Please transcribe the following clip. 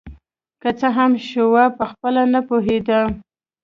که څه هم شواب پخپله نه پوهېده